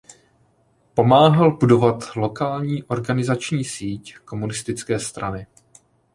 Pomáhal budovat lokální organizační síť komunistické strany.